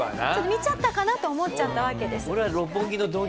見ちゃったかなと思っちゃったわけです。